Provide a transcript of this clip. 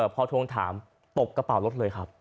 พอทวงถามตบกระเป๋ารถเลยครับ